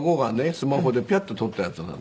スマホでピャッと撮ったやつなの。